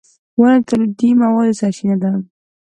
• ونه د تولیدي موادو سرچینه ده.